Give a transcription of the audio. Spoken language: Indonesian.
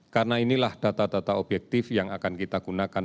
karena inilah data data objektif yang akan kita gunakan